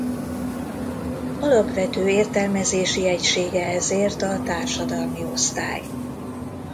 Alapvető értelmezési egysége ezért a társadalmi osztály.